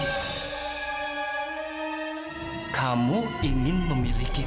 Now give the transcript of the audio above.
kamu ingin memiliki sesuatu yang dimiliki oleh fadil